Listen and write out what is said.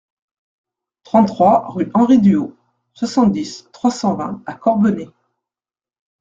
trente-trois rue Henri Duhaut, soixante-dix, trois cent vingt à Corbenay